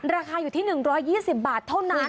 ราคาอยู่ที่๑๒๐บาทเท่านั้น